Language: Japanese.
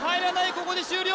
ここで終了！